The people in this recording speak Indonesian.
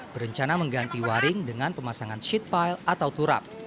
berencana mengganti waring dengan pemasangan sheet pile atau turap